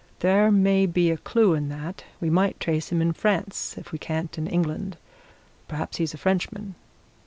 There may be a clue in that we might trace him in France if we can't in England. Perhaps he is a Frenchman."